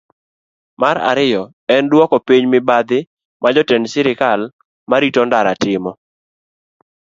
Mar ariyo, en dwoko piny mibadhi ma jotend sirkal ma rito ndara timo.